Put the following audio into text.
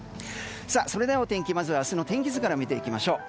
それではお天気、まずは明日の天気図から見ていきます。